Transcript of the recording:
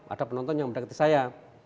ada penonton yang mendekati saya